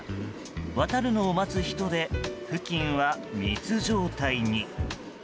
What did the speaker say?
渡るのを待つ人で付近は密状態に。